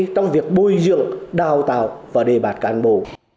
trong việc bồi dưỡng đào tạo và đề bạt cán bộ